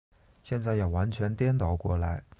现在要完全颠倒过来。